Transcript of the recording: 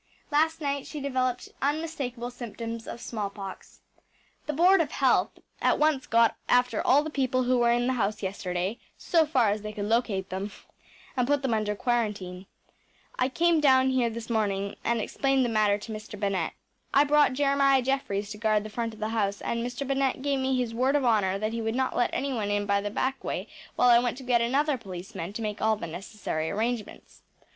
Last night she developed unmistakable symptoms of smallpox. The Board of Health at once got after all the people who were in the house yesterday, so far as they could locate them, and put them under quarantine. I came down here this morning and explained the matter to Mr. Bennett. I brought Jeremiah Jeffries to guard the front of the house and Mr. Bennett gave me his word of honour that he would not let anyone in by the back way while I went to get another policeman and make all the necessary arrangements.